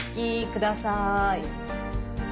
くださーい